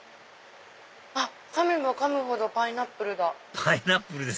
かめばかむほどパイナップルだ。